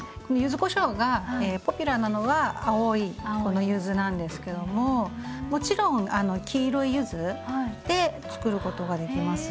柚子こしょうがポピュラーなのは青いこの柚子なんですけどももちろん黄色い柚子でつくることができます。